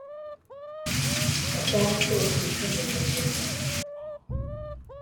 Bwarakeye mu gitondo ndazinduka